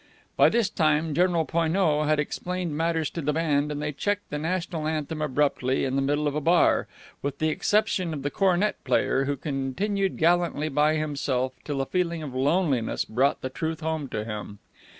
By this time General Poineau had explained matters to the band and they checked the national anthem abruptly in the middle of a bar, with the exception of the cornet player, who continued gallantly by himself till a feeling of loneliness brought the truth home to him.